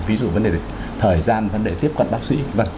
ví dụ vấn đề thời gian vấn đề tiếp cận bác sĩ